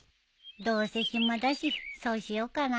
どうせ暇だしそうしようかな。